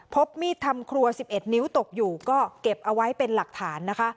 พบมีดทำครัว๑๑นิ้วตกอยู่ก็เก็บเอาไว้เป็นหลักฐานนะคะ